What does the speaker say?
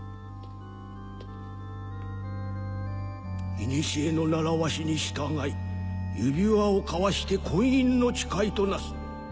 いにしえの習わしに従い指輪を交わして婚姻の誓いとなす。